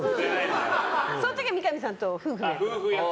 その時は三上さんと夫婦の役。